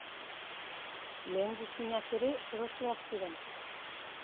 Lehengusinak ere sorosleak ziren.